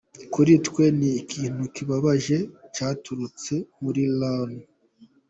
Kuri twe ni ikintu kibabaje cyaturutse muri Loni.